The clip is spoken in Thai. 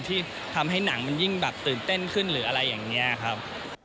ที่ทำให้หนังมันยิ่งแบบตื่นเต้นขึ้นหรืออะไรอย่างนี้ครับ